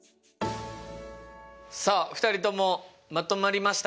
さあ２人ともまとまりましたか？